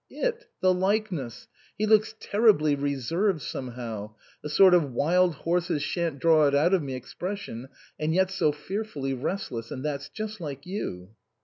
" It the likeness. He looks terribly reserved somehow a sort of wild horses shan't draw it out of me expression, and yet so fearfully rest less ; and that's just like you."